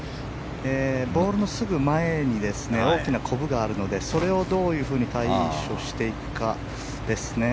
ボールのすぐ前に大きなこぶがあるのでそれをどういうふうに対処していくかですね。